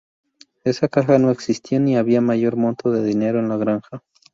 Esa caja no existía ni había mayor monto de dinero en la granja.